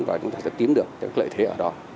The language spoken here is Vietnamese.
tính được các lợi thế ở đó